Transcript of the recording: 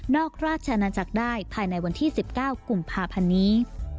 นอกราชนันจักรได้ภายในวันที่สิบเก้ากุมพาพันธุ์นี้